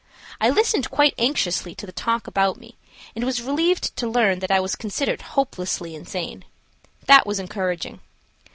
I listened quite anxiously to the talk about me, and was relieved to learn that I was considered hopelessly insane. That was encouraging.